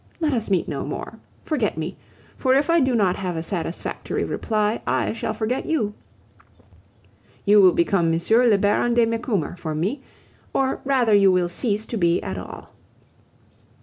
Let us meet no more. Forget me; for if I do not have a satisfactory reply, I shall forget you. You will become M. le Baron de Macumer for me, or rather you will cease to be at all.